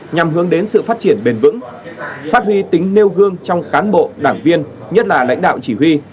nhằm hướng đến sự phát triển bền vững phát huy tính nêu gương trong cán bộ đảng viên nhất là lãnh đạo chỉ huy